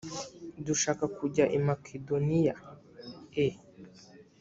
dushaka kujya i makedoniyae